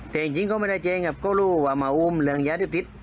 แต่จริงก็ไม่ได้เจ๊งครับก็รู้ว่ามาอุ้มเรื่องยาที่พิษ